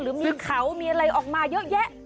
หรือมีเขามีอะไรออกมาเยอะแยะ